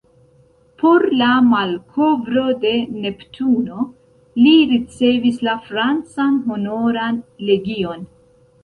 Por la malkovro de Neptuno li ricevis la francan Honoran Legion.